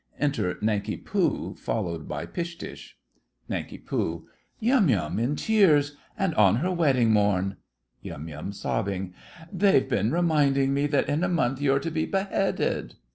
Enter Nanki Poo, followed by Go To. NANK. Yum Yum in tears—and on her wedding morn! YUM. They've been reminding me that in a month you're to be beheaded!